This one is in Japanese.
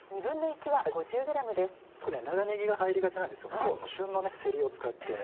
長ネギが入りがちなんですが今日は旬のせりを使って。